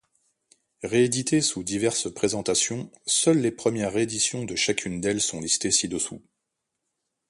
Réédité sous diverses présentations, seules les premières rééditions de chacune d’elles sont listées ci-dessous.